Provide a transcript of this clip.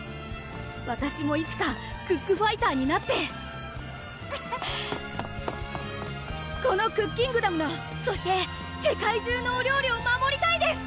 わたしもいつかクックファイターになってこのクッキングダムのそして世界中のお料理を守りたいです！